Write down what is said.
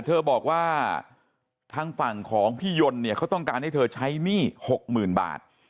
เธอบอกว่าทางฝั่งของพี่ยนต์เนี่ยเขาต้องการให้เธอใช้หนี้๖๐๐๐บาท